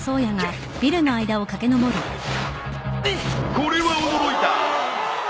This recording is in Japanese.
これは驚いた！